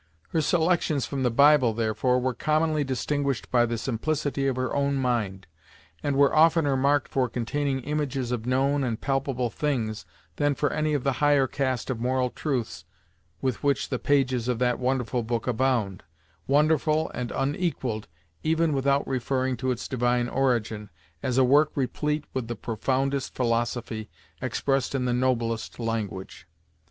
Her selections from the Bible, therefore, were commonly distinguished by the simplicity of her own mind, and were oftener marked for containing images of known and palpable things than for any of the higher cast of moral truths with which the pages of that wonderful book abound wonderful, and unequalled, even without referring to its divine origin, as a work replete with the profoundest philosophy, expressed in the noblest language.